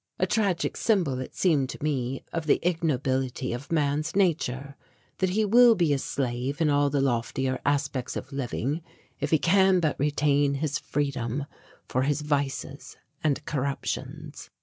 A tragic symbol it seemed to me of the ignobility of man's nature, that he will be a slave in all the loftier aspects of living if he can but retain his freedom for his vices and corruptions.